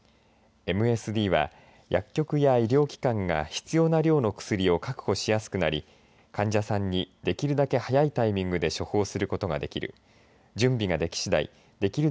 ＭＳＤは結局や医療機関が必要な量の薬を確保しやすくなり患者さんにできるだけ早いタイミングで処方することができる。